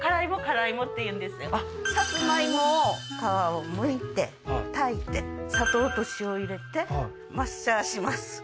さつまいもを皮を剥いて炊いて砂糖と塩入れてマッシャーします